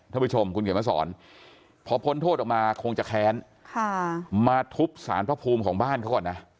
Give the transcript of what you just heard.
ท่านผู้ชมคุณเขียนมาสอนพอพ้นโทษออกมาคงจะแค้นมาทุบสารพระภูมิของบ้านเขาก่อนนะ